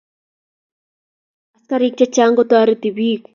askarik chechang' ko toriti biik.